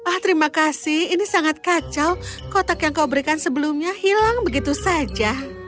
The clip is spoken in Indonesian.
ah terima kasih ini sangat kacau kotak yang kau berikan sebelumnya hilang begitu saja